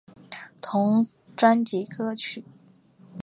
同专辑歌曲。